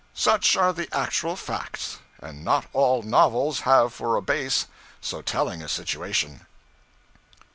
Such are the actual facts; and not all novels have for a base so telling a situation.